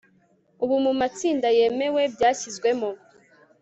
ubu mumatsinda yemewe byashyizwemo